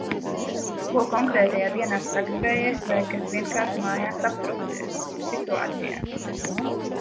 Ko konkrētajā dienā sagribējies vai kas vienkārši mājās aptrūcies. Situācijā.